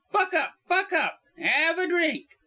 Buck up. Buck up. 'Ave a drink."